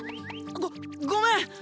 「ごっごめん！